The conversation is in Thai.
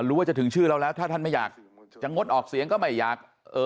หรือว่าจะถึงชื่อเราแล้วถ้าท่านไม่อยากจะงดออกเสียงก็ไม่อยากเอ่อ